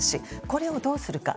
これをどうするか。